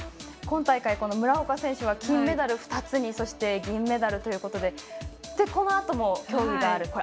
今大会、村岡選手は金メダル２つに銀メダルということでこのあとも競技がある。